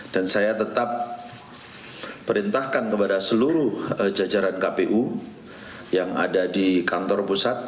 dan saya tetap perintahkan kepada seluruh jajaran kpu yang ada di kantor pusat